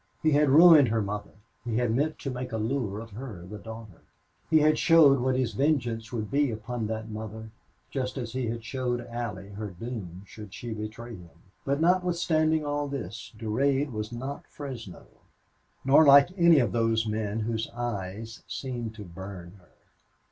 He had ruined her mother; he had meant to make a lure of her, the daughter; he had showed what his vengeance would be upon that mother, just as he had showed Allie her doom should she betray him. But notwithstanding all this, Durade was not Fresno, nor like any of those men whose eyes seemed to burn her.